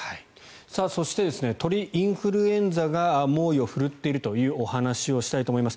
そして鳥インフルエンザが猛威を振るっているというお話をしたいと思います。